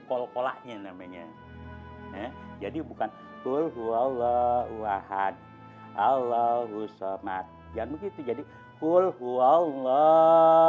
kolaknya namanya jadi bukan turhul allah wahad allahu shalmat yang begitu jadi pulhu allah